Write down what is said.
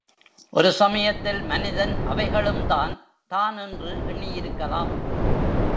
ஒரு சமயத்தில் மனிதன் அவைகளும் தான் தான் என்று எண்ணியிருக்கலாம்.